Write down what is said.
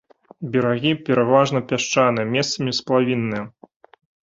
Берагі пераважна пясчаныя, месцамі сплавінныя.